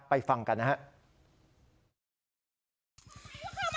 ฟังกันนะครับ